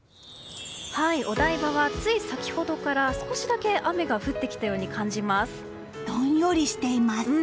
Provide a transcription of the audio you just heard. お台場はつい先ほどから少しだけ雨が降ってきたようにどんよりしています！